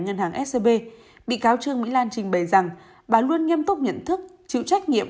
ngân hàng scb bị cáo trương mỹ lan trình bày rằng bà luôn nghiêm túc nhận thức chịu trách nhiệm